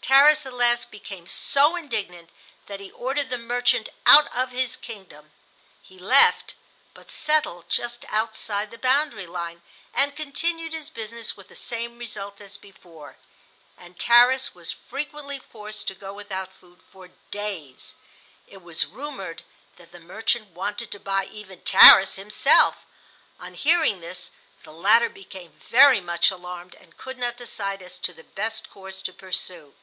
Tarras at last became so indignant that he ordered the "merchant" out of his kingdom. He left, but settled just outside the boundary line, and continued his business with the same result as before, and Tarras was frequently forced to go without food for days. It was rumored that the "merchant" wanted to buy even Tarras himself. On hearing this the latter became very much alarmed and could not decide as to the best course to pursue.